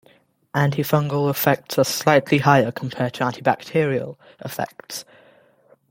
Antifungal effects are slightly higher compared to antibacterial effects.